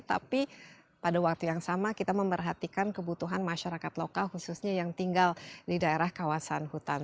tapi pada waktu yang sama kita memperhatikan kebutuhan masyarakat lokal khususnya yang tinggal di daerah kawasan hutan